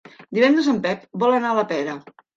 Divendres en Pep vol anar a la Pera.